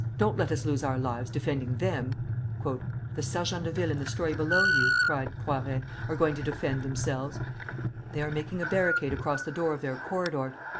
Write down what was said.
Don't let us lose our lives defending them!" "The sergents de ville in the story below you," cried Poiret, "are going to defend themselves, They are making a barricade across the door of their corridor.